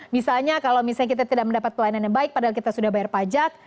misalnya kalau misalnya kita tidak mendapat pelayanan yang baik padahal kita sudah bayar pajak